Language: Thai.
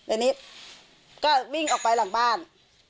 อันนี้ก็วิ่งออกไปหลังบ้าน